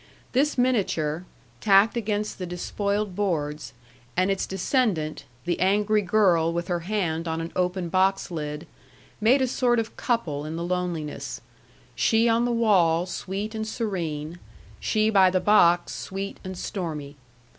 This miniature, tacked against the despoiled boards, and its descendant, the angry girl with her hand on an open box lid, made a sort of couple in the loneliness: she on the wall sweet and serene, she by the box sweet and stormy.